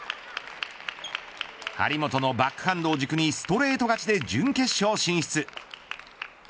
張本のバックハンドを軸にストレート勝ちで準決勝進出。